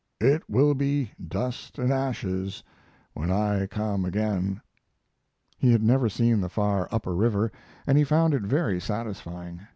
It will be dust and ashes when I come again. He had never seen the far upper river, and he found it very satisfying.